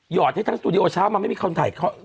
อดให้ทั้งสตูดิโอเช้ามันไม่มีคนถ่าย